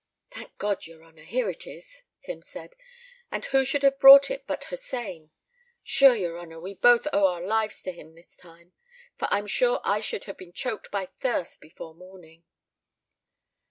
"Thank God, yer honour, here it is," Tim said; "and who should have brought it but Hossein. Shure, yer honour, we both owe our lives to him this time, for I'm sure I should have been choked by thirst before morning."